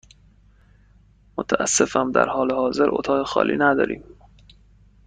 متأسفم، در حال حاضر اتاق خالی نداریم.